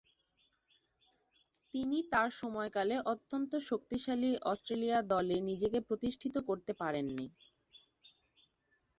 তিনি তার সময়কালের অত্যন্ত শক্তিশালী অস্ট্রেলিয়া দলে নিজেকে প্রতিষ্ঠিত করতে পারেননি।